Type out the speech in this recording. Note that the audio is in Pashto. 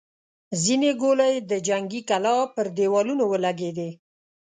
ځينې ګولۍ د جنګي کلا پر دېوالونو ولګېدې.